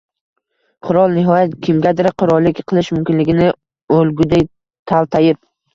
qirol nihoyat kimgadir qirollik qilishi mumkinligidan o‘lgudek taltayib.